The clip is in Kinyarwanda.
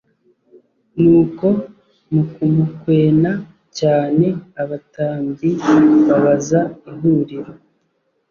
Nuko mu kumukwena cyane abatambyi babaza ihuriro